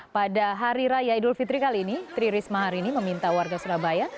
pada hari raya idul fitri kali ini tri risma hari ini meminta warga surabaya